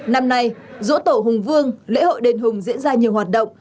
năm nay dỗ tổ hùng vương lễ hội đền hùng diễn ra nhiều hoạt động